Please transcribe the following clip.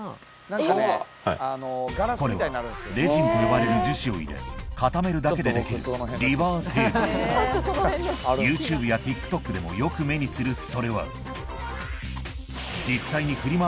これはレジンと呼ばれる樹脂を入れ固めるだけでできるＹｏｕＴｕｂｅやＴｉｋＴｏｋでもよく目にするそれは実際にフリマ